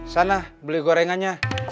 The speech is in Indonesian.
sana beli gorengannya